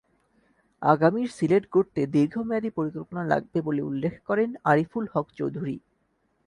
আগামীর সিলেট গড়তে দীর্ঘমেয়াদি পরিকল্পনা লাগবে বলে উল্লেখ করেন আরিফুল হক চৌধুরী।